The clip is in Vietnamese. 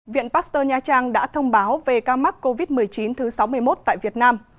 viện pasteur nha trang đã thông báo về ca mắc covid một mươi chín thứ sáu mươi một tại việt nam